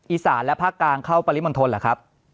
อีสานและภาคกลางเข้าปริมณฑลเหรอครับ